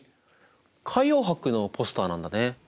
海洋博のポスターなんだね。